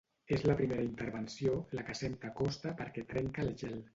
És la primera intervenció, la que sempre costa perquè trenca el gel.